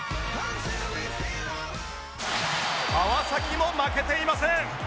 川崎も負けていません